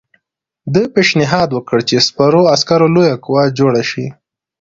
ده پېشنهاد وکړ چې سپرو عسکرو لویه قوه جوړه شي.